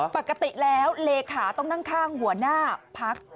ปกติแล้วเลขาต้องนั่งข้างหัวหน้าพัก